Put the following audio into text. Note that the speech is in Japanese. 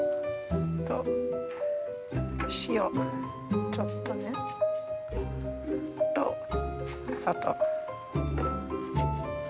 塩ちょっとね。と砂糖。